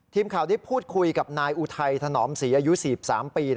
ทีมข่าวได้พูดคุยกับนายอุทัยถนอมศรีอายุ๔๓ปี